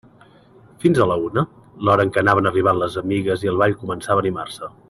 Fins a la una, l'hora en què anaven arribant les amigues i el ball començava a animar-se.